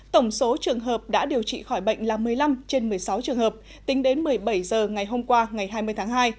tổng số trường hợp đã điều trị khỏi bệnh là một mươi năm trên một mươi sáu trường hợp tính đến một mươi bảy h ngày hôm qua ngày hai mươi tháng hai